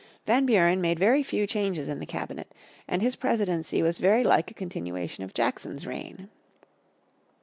Van Buren made very few changes in the cabinet, and his Presidency was very like a continuation of Jackson's "reign."